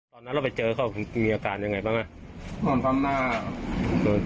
อื่มเอาเครื่องรถมาโรงพยาบาลนี้เลยนะ